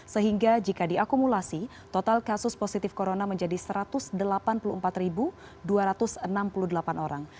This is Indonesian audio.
sehingga jika diakumulasi total kasus positif corona menjadi satu ratus delapan puluh empat dua ratus enam puluh delapan orang